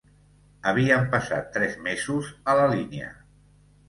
Havien passat tres mesos a la línia;